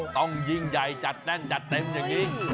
ต้องยิ่งใหญ่จัดแน่นจัดเต็มจัดยิ่ง